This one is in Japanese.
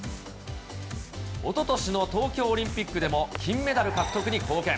おととしの東京オリンピックでも金メダル獲得に貢献。